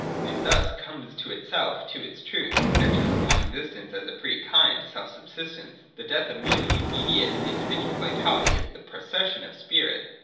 It thus comes to itself, to its truth : it enters upon existence as a free Kind self subsistent. The death of merely immediate and individual vitality is the ' procession ' of spirit.